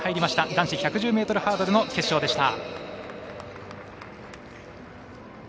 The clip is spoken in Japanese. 男子１１０ｍハードル決勝でした。